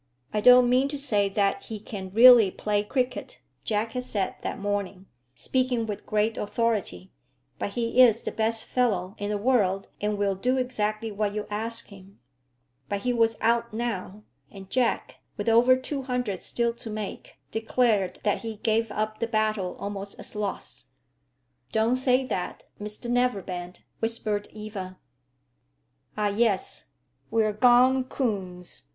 "I don't mean to say that he can really play cricket," Jack had said that morning, speaking with great authority; "but he is the best fellow in the world, and will do exactly what you ask him." But he was out now; and Jack, with over 200 still to make, declared that he gave up the battle almost as lost. "Don't say that, Mr Neverbend," whispered Eva. "Ah yes; we're gone coons.